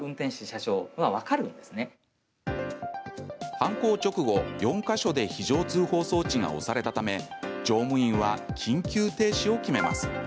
犯行直後、４か所で非常通報装置が押されたため乗務員は緊急停止を決めます。